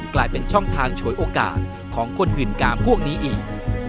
กลายเป็นช่องทางฉวยโอกาสของคนอื่นกามพวกนี้อีก